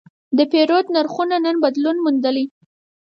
د پیرود نرخونه نن بدلون موندلی.